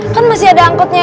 kan masih ada angkotnya